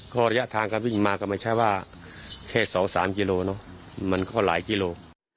ก็ระยะทางการวิ่งมาก็ไม่ใช่ว่าแค่๒๓กิโลเนอะมันก็หลายกิโล